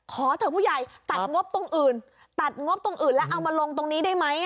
ขอเถอะผู้ใหญ่ตัดงบตรงอื่นตัดงบตรงอื่นแล้วเอามาลงตรงนี้ได้ไหม